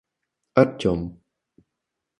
Артем